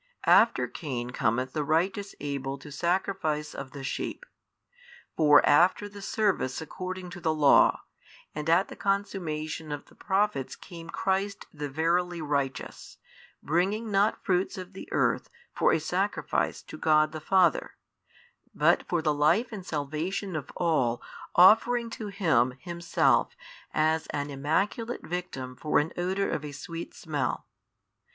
After Cain cometh the righteous Abel to sacrifice of the sheep. For after the service according to the law, and at the consummation of the Prophets came Christ the verily Righteous, bringing not fruits of the earth for a sacrifice to God the Father, but for the life and salvation of all offering to Him Himself as an immaculate Victim for an odour of a sweet smell.